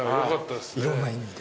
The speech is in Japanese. いろんな意味で。